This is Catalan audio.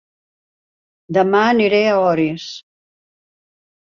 Dema aniré a Orís